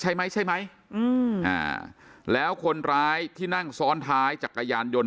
ใช่ไหมใช่ไหมอืมอ่าแล้วคนร้ายที่นั่งซ้อนท้ายจักรยานยนต